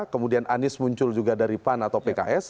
kemudian anies muncul juga dari pan atau pks